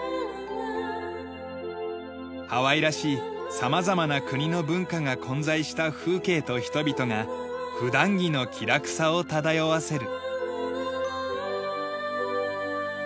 ハワイらしい様々な国の文化が混在した風景と人々が普段着の気楽さを漂わせる。